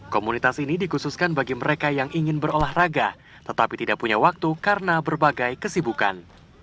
komunitas ini dikhususkan bagi mereka yang ingin berolahraga tetapi tidak punya waktu karena berbagai kesibukan